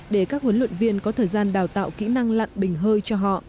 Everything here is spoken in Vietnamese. để các huấn luyện viên có thời gian đào tạo kỹ năng lặn bình hơi cho họ